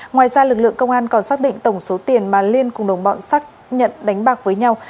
ngoài ra lực lượng công an còn xác định tổng số tiền mà liên cùng đồng bọn xác nhận đánh bạc với nhau